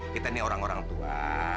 kita ini orang orang tua